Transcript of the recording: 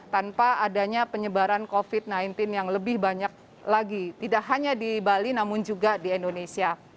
tanpa adanya penyebaran covid sembilan belas yang lebih banyak lagi tidak hanya di bali namun juga di indonesia